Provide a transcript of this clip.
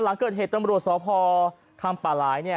หลังเกิดเหตุตำรวจสพคำป่าหลายเนี่ย